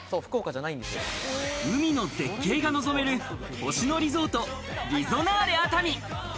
海の絶景が望める、星野リゾートリゾナーレ熱海。